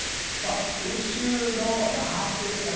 宇宙のなんていうんですかね